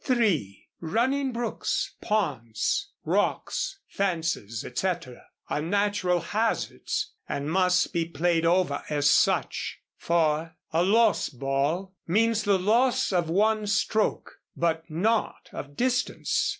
(3) Running brooks, ponds, rocks, fences, etc., are natural hazards, and must be played over as such. (4) A lost ball means the loss of one stroke, but not of distance.